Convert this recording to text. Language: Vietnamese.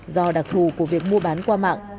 do đặc thù của việc mua bán qua mạng